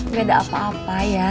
gak ada apa apa ya